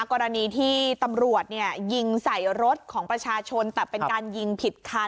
กรณีที่ตำรวจยิงใส่รถของประชาชนแต่เป็นการยิงผิดคัน